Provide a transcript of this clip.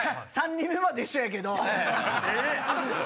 ３人目まで一緒やけど。